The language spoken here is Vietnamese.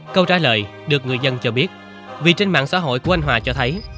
câu trả lời được người dân cho biết vì trên mạng xã hội của anh hòa cho thấy